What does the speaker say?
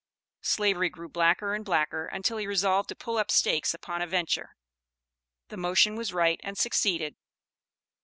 Slavery grew blacker and blacker, until he resolved to "pull up stakes" upon a venture. The motion was right, and succeeded.